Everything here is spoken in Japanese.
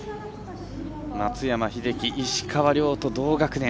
松山英樹、石川遼と同学年。